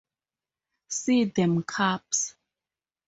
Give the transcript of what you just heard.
See them cups?